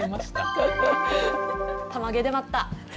たまげでまった。